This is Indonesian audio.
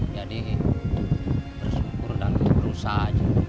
jadi bersyukur dan berusaha aja